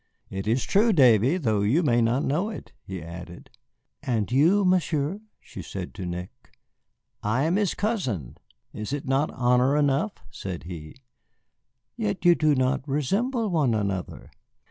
"It is true, Davy, though you may not know it," he added. "And you, Monsieur?" she said to Nick. "I am his cousin, is it not honor enough?" said he. "Yet you do not resemble one another."